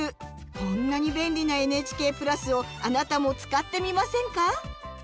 こんなに便利なＮＨＫ＋をあなたも使ってみませんか？